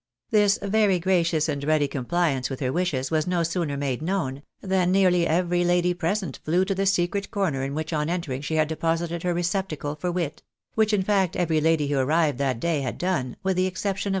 This very gracious and ready compliance with her wishes was no sooner made known, than nearly every lady present flew to the secret corner in which on entering she had deposited her receptacle for wit ; which, in fact, every lady who arrived that day had done, with the exception of APOTHEGMS OF MRS.